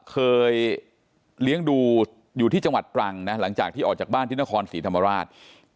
เคยเลี้ยงดูอยู่ที่จังหวัดตรังนะหลังจากที่ออกจากบ้านที่นครศรีธรรมราช